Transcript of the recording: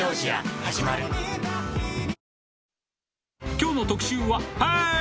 きょうの特集は、ハーイ！